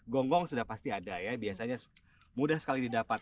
gonggong sudah pasti ada ya biasanya mudah sekali didapat